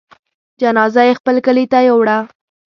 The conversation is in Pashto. جنازه يې خپل کلي ته يووړه.